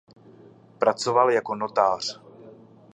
Pracoval jako notář.